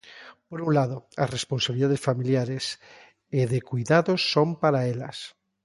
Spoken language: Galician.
Por un lado, as responsabilidades familiares e de coidados son para elas.